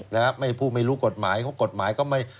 และผู้ไม่รู้กฎหมาย